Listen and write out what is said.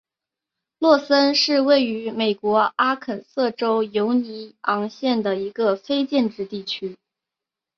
洛森是位于美国阿肯色州犹尼昂县的一个非建制地区。